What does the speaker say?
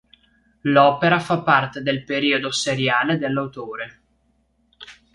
L'opera fa parte del periodo seriale dell'autore.